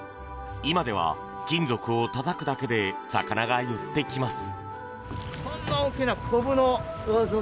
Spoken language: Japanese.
今では金属をたたくだけで魚が寄ってきます。